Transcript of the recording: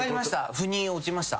ふに落ちました。